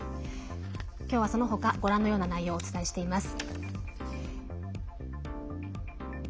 今日はその他ご覧のような内容をお伝えしています。